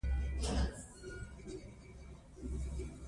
انرژي له لمره جوړیږي.